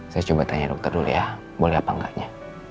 saya coba tanya dokter dulu ya boleh apa enggaknya